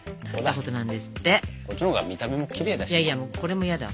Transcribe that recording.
こっちのほうが見た目もきれいだし。